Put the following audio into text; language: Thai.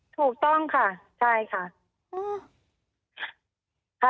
ถูกต้องค่ะใช่ค่ะ